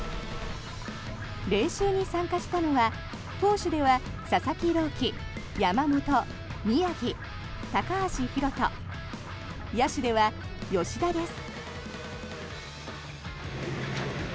練習に参加したのは投手では佐々木朗希山本、宮城、高橋宏斗野手では吉田です。